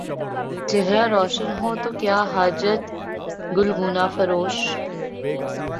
چہرہ روشن ہو تو کیا حاجت گلگونہ فروش